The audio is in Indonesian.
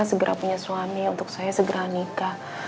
segera punya suami untuk saya segera nikah